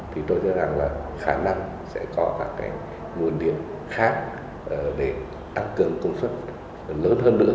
thì tôi cho rằng là khả năng sẽ có các cái nguồn điện khác để tăng cường công suất lớn hơn nữa